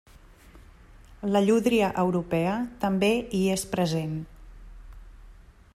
La llúdria europea també hi és present.